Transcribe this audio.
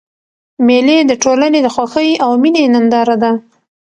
مېلې د ټولني د خوښۍ او میني ننداره ده.